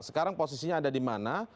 sekarang posisinya ada dimana